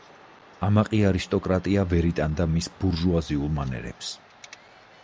ამაყი არისტოკრატია ვერ იტანდა მის ბურჟუაზიულ მანერებს.